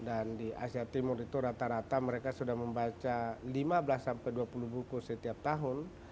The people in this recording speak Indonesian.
dan di asia timur itu rata rata mereka sudah membaca lima belas sampai dua puluh buku setiap tahun